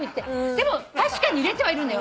でも確かに揺れてはいるんだよ。